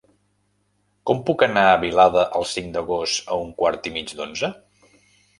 Com puc anar a Vilada el cinc d'agost a un quart i mig d'onze?